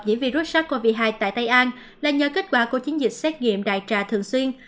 nhiễm virus sars cov hai tại tây an là nhờ kết quả của chiến dịch xét nghiệm đại trà thường xuyên